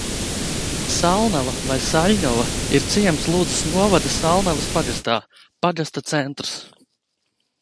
Salnava vai Saļņova ir ciems Ludzas novada Salnavas pagastā, pagasta centrs.